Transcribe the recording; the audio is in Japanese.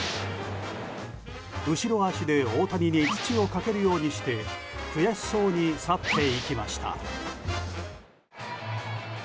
後ろ足で大谷に土をかけるようにして悔しそうに去っていきました。